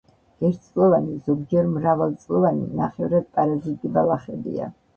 ერთწლოვანი, ზოგჯერ მრავალწლოვანი ნახევრად პარაზიტი ბალახებია.